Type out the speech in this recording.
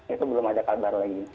itu belum ada kabar lagi